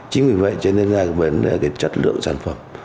chính vì vậy cho nên là vấn đề chất lượng sản phẩm